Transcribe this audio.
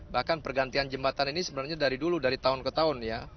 bahkan pergantian jembatan ini sebenarnya dari dulu dari tahun ke tahun ya